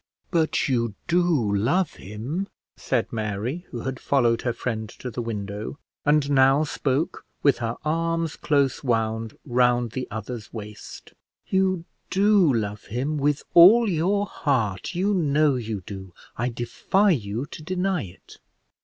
"But you do love him," said Mary, who had followed her friend to the window, and now spoke with her arms close wound round the other's waist. "You do love him with all your heart, you know you do; I defy you to deny it."